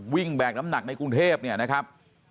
แบกน้ำหนักในกรุงเทพเนี่ยนะครับ